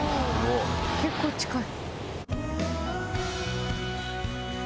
結構近い。